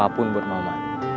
apapun buat mama